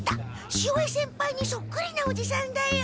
潮江先輩にそっくりなおじさんだよ。